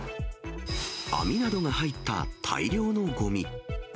網などが入った大量のごみ。